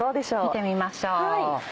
見てみましょう。